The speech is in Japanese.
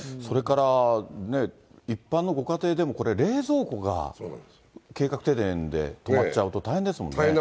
それから、一般のご家庭でも、冷蔵庫が計画停電で止まっちゃうと大変ですもんね。